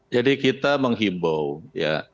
jadi kita menghimbau ya